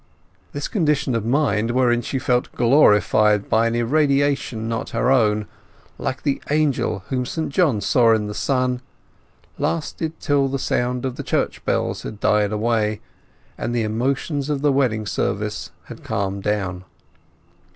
This condition of mind, wherein she felt glorified by an irradiation not her own, like the angel whom St John saw in the sun, lasted till the sound of the church bells had died away, and the emotions of the wedding service had calmed down.